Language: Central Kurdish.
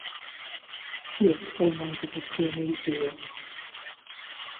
چییە ئەو مەنزڵە کوێنەی جێیە